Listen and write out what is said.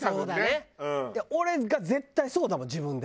俺が絶対そうだもん自分で。